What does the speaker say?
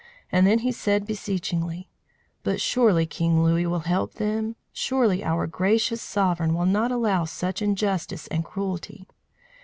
And then he said beseechingly: "But surely King Louis will help them? Surely our gracious sovereign will not allow such injustice and cruelty?"